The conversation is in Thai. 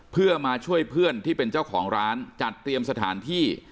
เพื่อมาช่วยเพื่อนที่เป็นเจ้าของร้านจัดเตรียมสถานที่